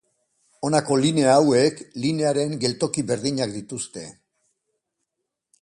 Honako linea hauek linearen geltoki berdinak dituzte.